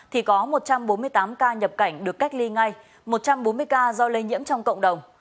thì có một trăm bốn mươi tám ca nhập cảnh được cách ly ngay một trăm bốn mươi ca do lây nhiễm trong cộng đồng